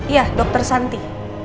iya dokter santi